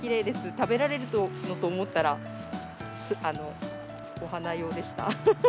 食べられると思ったら、お花用でした。